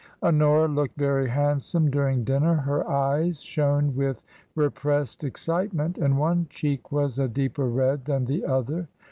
Honora looked very handsome during dinner; her eyes shone with repressed excitement and one cheek was a deeper red than the other.